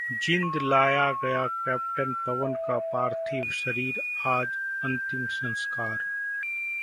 जींद लाया गया कैप्टन पवन का पार्थिव शरीर, आज अंतिम संस्कार